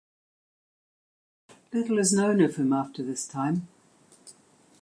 Little is known of him after this time.